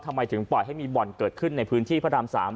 ทำไมถึงปล่อยให้มีบ่อนเกิดขึ้นในพื้นที่พระราม๓